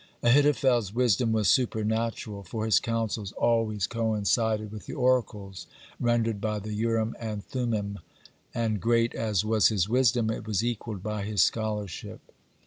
(61) Ahithophel's wisdom was supernatural, for his counsels always coincided with the oracles rendered by the Urim and Thummim, and great as was his wisdom, it was equalled by his scholarship.